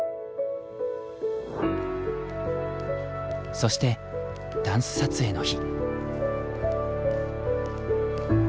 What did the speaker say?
そしてダンス撮影の日。